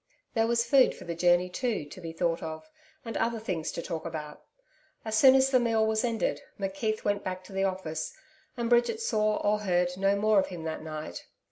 There was food for the journey too, to be thought of, and other things to talk about. As soon as the meal was ended, McKeith went back to the office, and Bridget saw or heard no more of him that night.